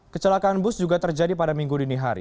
kecelakaan bus juga terjadi pada minggu dini hari